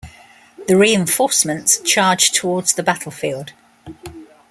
The reinforcements charge towards the battlefield.